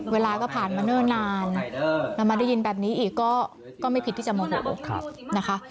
เวลาก็ผ่านมาเนิ่นนานแล้วมาได้ยินแบบนี้อีกก็ไม่ผิดที่จะโมโหนะคะ